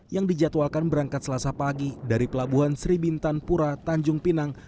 yang dijadwalkan berangkat selasa pagi dari pelabuhan sri bintan pura tanjung pinang